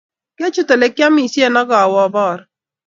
Kyachit olegiamishen agawe abaru